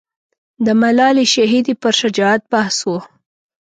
د ملالۍ شهیدې پر شجاعت بحث و.